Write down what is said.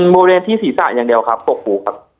โมเรนที่ศีรษะอย่างเดียวครับกกหูครับ